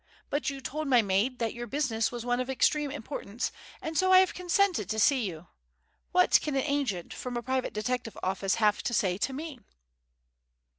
But you told my maid that your business was one of extreme importance, and so I have consented to see you. What can an agent from a private detective office have to say to me?"